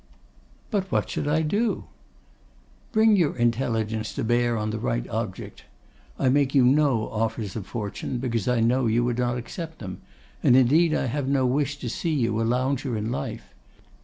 'But what should I do?' 'Bring your intelligence to bear on the right object. I make you no offers of fortune, because I know you would not accept them, and indeed I have no wish to see you a lounger in life.